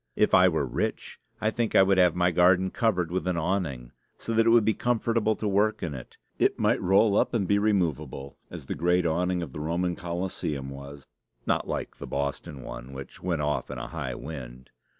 If I were rich, I think I would have my garden covered with an awning, so that it would be comfortable to work in it. It might roll up and be removable, as the great awning of the Roman Colosseum was not like the Boston one, which went off in a high wind.